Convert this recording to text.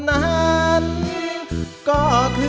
ไม่ใช้ครับไม่ใช้ครับ